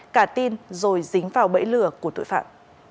cả tin rồi dính vào bẫy lừa của tội phạm